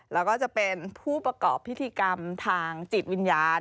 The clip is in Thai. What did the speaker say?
แล้วก็จะเป็นผู้ประกอบพิธีกรรมทางจิตวิญญาณ